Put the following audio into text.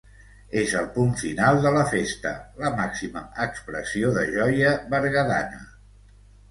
És el punt final de la festa, la màxima expressió de joia berguedana.